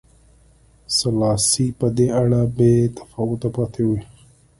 سلاسي په دې اړه بې تفاوته پاتې و.